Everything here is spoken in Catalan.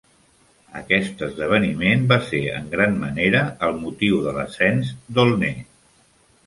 Aquest esdeveniment va ser, en gran manera, el motiu de l'ascens d'Aulnay.